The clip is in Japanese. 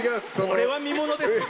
それは見ものです！